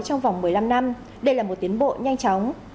trong vòng một mươi năm năm đây là một tiến bộ nhanh chóng